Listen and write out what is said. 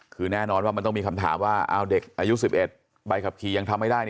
คือแน่นอนว่ามันต้องมีคำถามว่าเด็กอายุ๑๑ใบขับขี่ยังทำไม่ได้